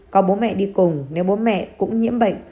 có bố mẹ đi cùng nếu bố mẹ cũng nhiễm bệnh